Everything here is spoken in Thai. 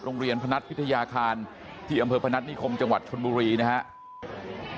พนัทพิทยาคารที่อำเภอพนัฐนิคมจังหวัดชนบุรีนะครับ